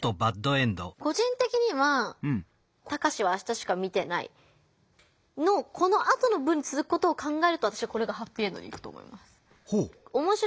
個人的には「タカシは明日しか見てない」のこのあとの文につづくことを考えるとこれがハッピーエンドにいくと思います。